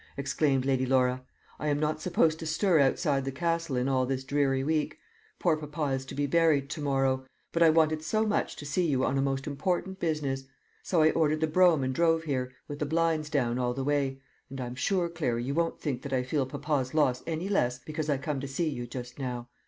exclaimed Lady Laura. "I am not supposed to stir outside the Castle in all this dreary week. Poor papa is to be buried to morrow; but I wanted so much to see you on a most important business; so I ordered the brougham and drove here, with the blinds down all the way; and I'm sure, Clary, you won't think that I feel papa's loss any less because I come to see you just now.